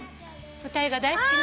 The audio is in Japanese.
２人が大好きな。